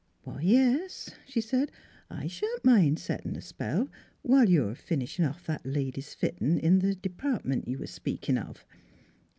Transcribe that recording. " Why, yes," she said. " I shan't mind settin' a spell, whilst you're finishin' off that lady's fittin' in th' d'partment you was speakin' of."